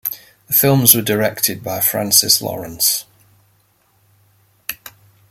The films were directed by Francis Lawrence.